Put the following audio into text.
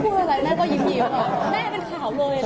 ไม่ได้พูดอะไรแม่ก็ยิ้มว่าแม่เป็นข่าวเลย